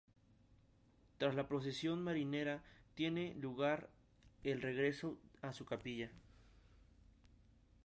Tras la procesión marinera tiene lugar el regreso a su capilla.